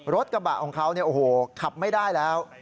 รถกระบะของเขาขับไม่ได้แล้ว